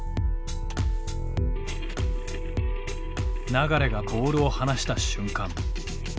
流がボールを放した瞬間。